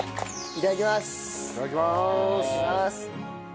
いただきます！